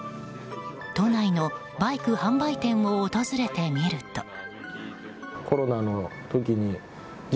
都内のバイク販売店を訪れてみると。